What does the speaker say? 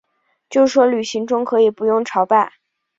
就说旅行中可以不用朝拜